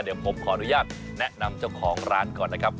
เดี๋ยวผมขออนุญาตแนะนำเจ้าของร้านก่อนนะครับ